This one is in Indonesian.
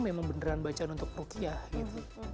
memang beneran bacaan untuk rukiah gitu